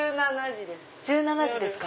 １７時です。